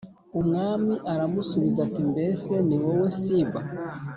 Umwami aramubaza ati “Mbese ni wowe Siba?”